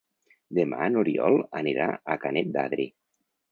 Demà n'Oriol anirà a Canet d'Adri.